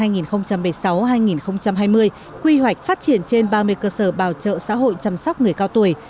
giai đoạn hai nghìn bảy mươi sáu hai nghìn hai mươi quy hoạch phát triển trên ba mươi cơ sở bào trợ xã hội chăm sóc người cao tuổi